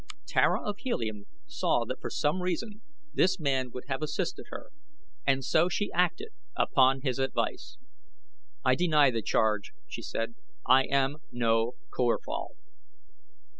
Tara of Helium saw that for some reason this man would have assisted her, and so she acted upon his advice. "I deny the charge," she said, "I am no Corphal."